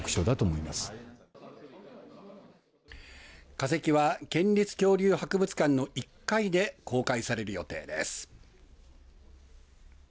化石は県立恐竜博物館の１階で公開される予定です。